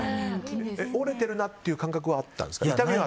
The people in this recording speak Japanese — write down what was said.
折れてるなという感覚はあったんですか？